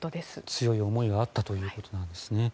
強い思いがあったということなんですね。